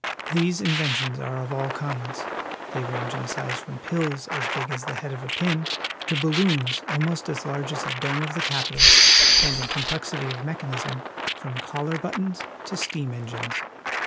These inventions are of all kinds. They range in size from pills as big as the head of a pin to balloons almost as large as the dome of the Capitol, and in complexity of mechan ism from collar buttons to steam engines.